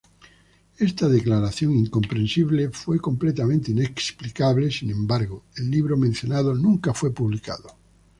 Esta declaración incomprensible fue completamente inexplicable, sin embargo, el libro mencionado nunca fue publicado.